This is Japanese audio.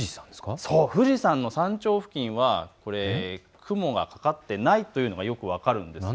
富士山の山頂付近は雲がかかっていないというのが分かると思います。